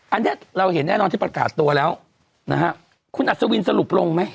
อันนี้เราเห็นแน่นอนที่ประกาศตัวแล้วนะฮะคุณอัศวินสรุปลงไหม